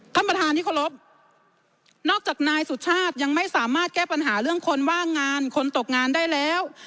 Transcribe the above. ท่านประธานที่เคารพนอกจากนายสุชาติยังไม่สามารถแก้ปัญหาเรื่องคนว่างงานคนตกงานได้แล้ว